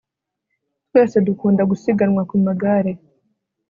twese dukunda gusiganwa ku magare